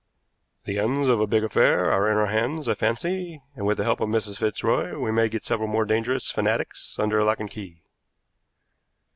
"The ends of a big affair are in our hands, I fancy, and, with the help of Mrs. Fitzroy, we may get several more dangerous fanatics under lock and key."